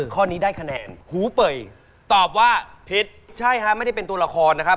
ข้อนี้ได้คะแนนหูเป่ยตอบว่าผิดใช่ฮะไม่ได้เป็นตัวละครนะครับ